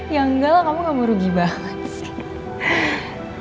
ya enggak lah kamu gak mau rugi banget sih